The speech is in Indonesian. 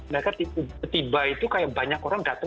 mereka tiba tiba itu kayak banyak orang datang